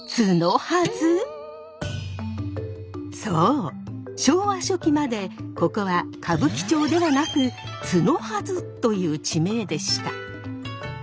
そう昭和初期までここは歌舞伎町ではなく角筈という地名でした。